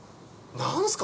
何すか？